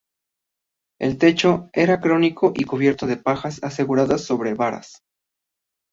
El techo era cónico y cubierto de pajas aseguradas sobre varas.